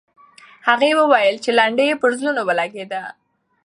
هغې وویل چې لنډۍ یې پر زړونو ولګېده.